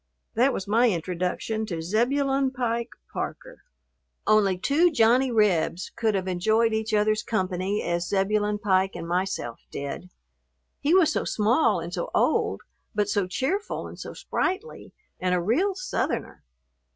That was my introduction to Zebulon Pike Parker. Only two "Johnny Rebs" could have enjoyed each other's company as Zebulon Pike and myself did. He was so small and so old, but so cheerful and so sprightly, and a real Southerner!